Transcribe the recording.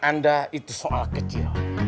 anda itu soal kecil